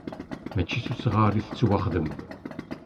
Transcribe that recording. Mačči s usɣar i tettwaxdem.